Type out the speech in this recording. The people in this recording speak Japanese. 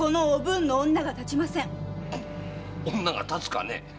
女が立つかね？